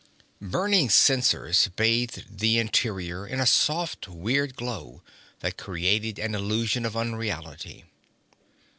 Burning censers bathed the interior in a soft weird glow that created an illusion of unreality.